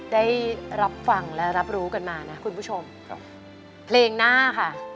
ได้รับฟังและรับรู้กันมานะคุณผู้ชมครับเพลงหน้าค่ะ